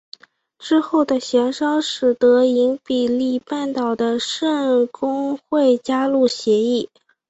之后的协商使得伊比利半岛的圣公会加入协议。